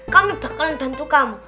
kami bakalan bantu kamu